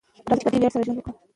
راځئ چې په دې ویاړ سره ژوند وکړو.